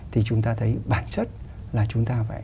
thì chúng ta thấy bản chất là chúng ta phải